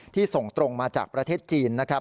ส่งตรงมาจากประเทศจีนนะครับ